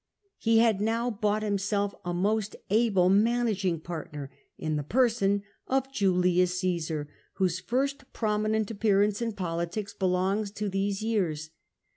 He had now bought himself a most able manag ing partner in the person of Julius Caesar, whose first prominent appearance in politics belongs to these years.